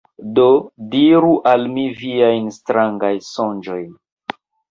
Do diru al mi viajn strangajn sonĝojn.